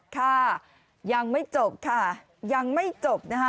ค่ะยังไม่จบค่ะยังไม่จบนะคะ